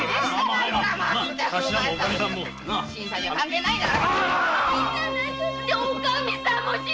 新さんには関係ないだろ。